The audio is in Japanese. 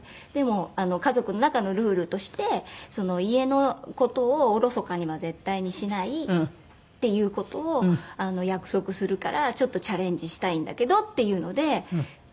でも家族の中のルールとして家の事をおろそかには絶対にしないっていう事を約束するからチャレンジしたいんだけどっていうので。